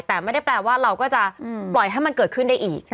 แต่ไม่ได้แปลว่าเราก็จะปล่อยให้มันเกิดขึ้นได้อีก